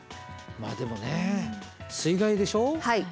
まあでもね水害でしょ？